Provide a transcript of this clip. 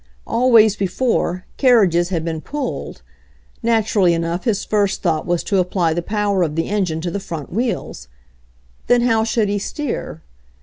Always . before, carriages had been pulled. Naturally enough his first thought was to apply the power of the engine to the front wheels. Then how should he steer?